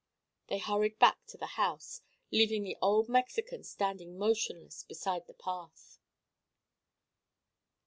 They hurried back to the house, leaving the old Mexican standing motionless beside the path.